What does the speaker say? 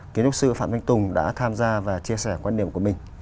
kiến thức sư phạm thanh tùng đã tham gia và chia sẻ quan điểm của mình